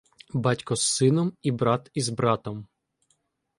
Батько з сином і брат із братом